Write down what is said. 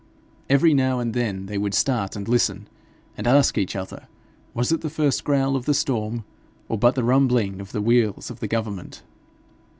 Every now and then they would start and listen, and ask each other was it the first growl of the storm, or but the rumbling of the wheels of the government.